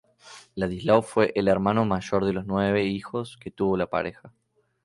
Ladislao fue el hermano mayor de los nueve hijos que tuvo la pareja.